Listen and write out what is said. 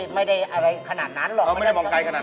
ไม่ได้อะไรขนาดนั้นหรอก